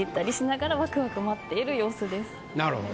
なるほど。